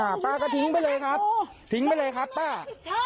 ป้าก็ทิ้งไปเลยครับทิ้งไปเลยครับป้าใช่